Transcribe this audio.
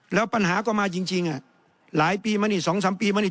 แล้วปัญหาก็มาจริงหลายปีมานี่สองสามปีมานี่